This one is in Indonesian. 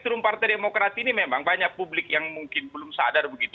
justru partai demokrat ini memang banyak publik yang mungkin belum sadar begitu